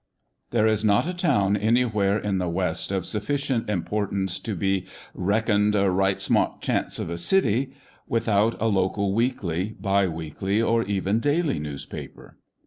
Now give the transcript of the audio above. THERE is not a town anywhere in the West of sufficient importance to be " reckoned a right smart chance of a city" without a local weekly, bi weekly, or even daily newspaper.